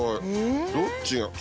どっちが。